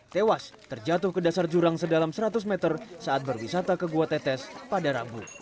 tewas terjatuh ke dasar jurang sedalam seratus meter saat berwisata ke gua tetes pada rabu